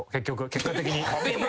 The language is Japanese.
結果的に。